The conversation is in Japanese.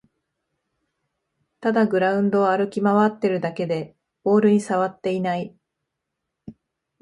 ただグラウンドを歩き回ってるだけでボールにさわっていない